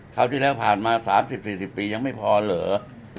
ที่แล้วผ่านมา๓๐๔๐ปียังไม่พอเหรอ